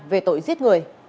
về tội giết người